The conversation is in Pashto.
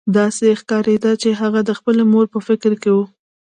داسې ښکارېده چې هغه د خپلې مور په فکر کې و